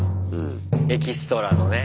エキストラのね。